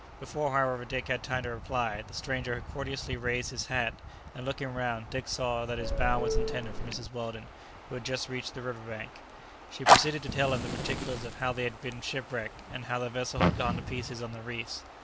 Before, however, Dick had time to reply, the stranger had courteously raised his hat, and, looking round, Dick saw that his bow was intended for Mrs. Weldon, who had just reached the river bank. She proceeded to tell him the particulars of how they had been shipwrecked, and how the vessel had gone to pieces on the reefs.